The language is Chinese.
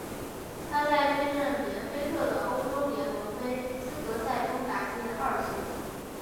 他在对阵连菲特的欧洲联盟杯资格赛中打进二球。